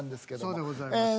そうでございます。